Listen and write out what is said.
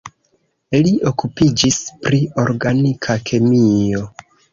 Li okupiĝis pri organika kemio.